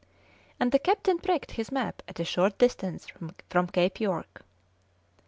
And the captain pricked his map at a short distance from Cape York.